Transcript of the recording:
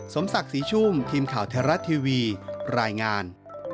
สมศักดิ์ศรีชุ่มทีมข่าวไทยรัฐทีวีรายงาน